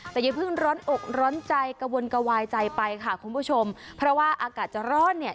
แต่อย่าเพิ่งร้อนอกร้อนใจกระวนกระวายใจไปค่ะคุณผู้ชมเพราะว่าอากาศจะร้อนเนี่ย